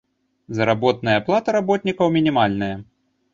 Заработная плата работнікаў мінімальная.